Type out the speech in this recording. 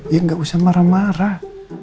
ya nggak usah marah marah